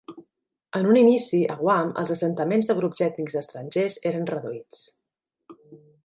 En un inici, a Guam, els assentaments de grups ètnics estrangers eren reduïts.